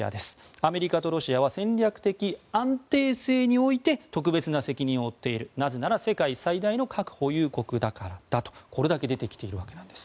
アメリカとロシアは戦略的安定性において特別な責任を負っているなぜなら世界最大の核保有国だからだとこれだけ出てきているわけです。